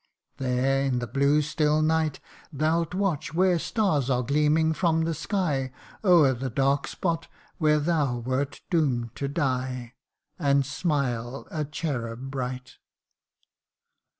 1 There, in the blue still night, Thou 'It watch, where stars are gleaming from the sky, O'er the dark spot where thou wert doom'd to die, And smile, a cherub bright.'